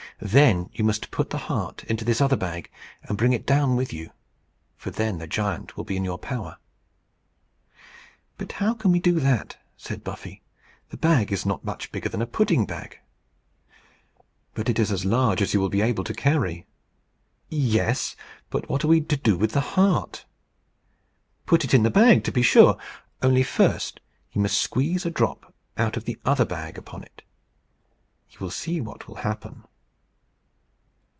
Then you must put the heart into this other bag, and bring it down with you; for then the giant will be in your power." "But how can we do that?" said Buffy. "The bag is not much bigger than a pudding bag." "But it is as large as you will be able to carry." "Yes; but what are we to do with the heart?" "Put it in the bag, to be sure. Only, first, you must squeeze a drop out of the other bag upon it. You will see what will happen."